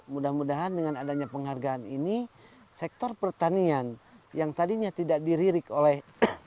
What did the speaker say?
mudah mudahan dengan adanya penghargaan ini sektor pertanian yang tadinya tidak diririk oleh